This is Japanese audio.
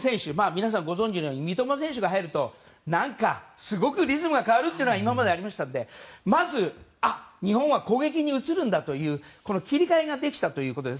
皆さんご存じのように三笘選手が入ると何か、すごくリズムが変わるというのが今までありましたのでまず、日本は攻撃に移るんだという切り替えができたということです